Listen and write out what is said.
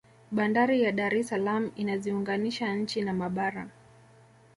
bandari ya dar es salaam inaziunganisha nchi na mabara